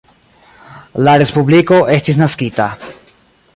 La respubliko estis naskita.